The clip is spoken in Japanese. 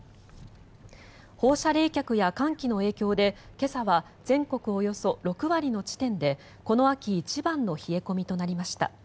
放射冷却や寒気の影響で今朝は全国およそ６割の地点でこの秋一番の冷え込みとなりました。